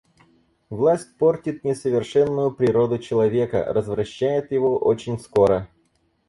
Власть портит несовершенную природу человека, развращает его очень скоро.